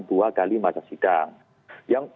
dua kali masa sidang